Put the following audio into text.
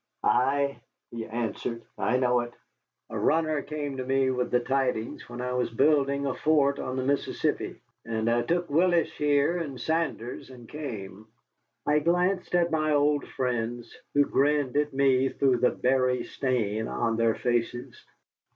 "Ay," he answered, "I know it. A runner came to me with the tidings, where I was building a fort on the Mississippi, and I took Willis here and Saunders, and came." I glanced at my old friends, who grinned at me through the berry stain on their faces.